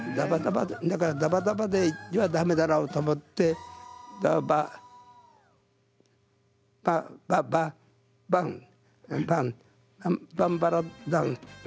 だからダバダバではダメだろうと思ってダバババババンバンバンバラダン。